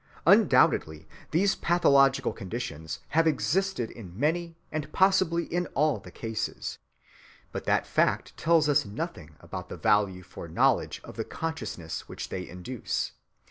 Undoubtedly these pathological conditions have existed in many and possibly in all the cases, but that fact tells us nothing about the value for knowledge of the consciousness which they induce.